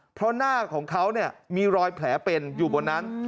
เพราะหน้าของเขามีรอยแผลเป็นอยู่บนนั้น